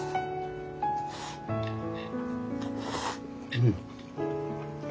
うん。